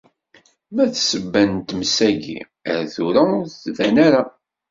Ma d ssebba n times-agi, ar tura ur d-tban ara.